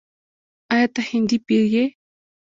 “آیا ته هندی پیر یې؟”